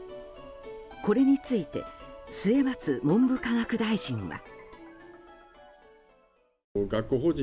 これについて末松文部科学大臣は。